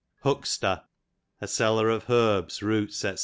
Huggon, ) Huckster, a seller of herbs, roots, do.